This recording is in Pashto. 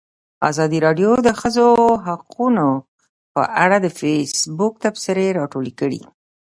ازادي راډیو د د ښځو حقونه په اړه د فیسبوک تبصرې راټولې کړي.